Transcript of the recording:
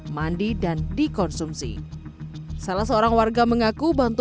mandi dan dikonsumsi salah seorang warga mengaku bantuan air bersih